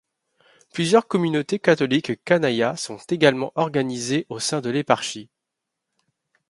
Plusieurs communautés catholiques Knanayas sont également organisées au sein de l'éparchie.